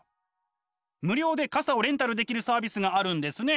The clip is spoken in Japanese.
無料で傘をレンタルできるサービスがあるんですね！